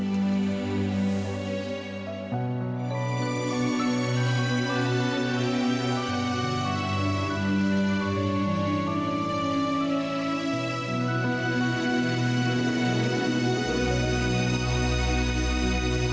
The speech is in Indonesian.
tidak ada hubungan